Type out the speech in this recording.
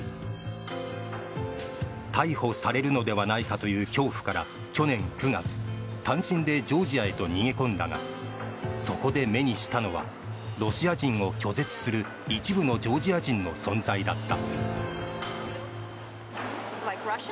逮捕されるのではないかという恐怖から、去年９月単身でジョージアへと逃げ込んだがそこで目にしたのはロシア人を拒絶する一部のジョージア人の存在だった。